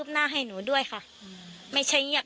ต้องรอผลพิสูจน์จากแพทย์ก่อนนะคะ